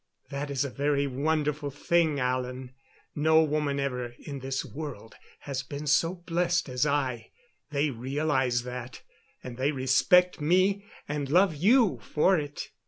That is a very wonderful thing, Alan. No woman ever, in this world, has been so blessed as I. They realize that and they respect me and love you for it."